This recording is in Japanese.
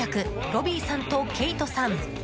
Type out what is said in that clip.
ロビーさんとケイトさん。